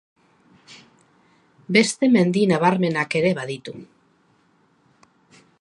Beste mendi nabarmenak ere baditu.